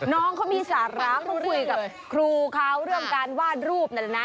น้องเขามีสาระเขาคุยกับครูเขาเรื่องการวาดรูปนั่นนะ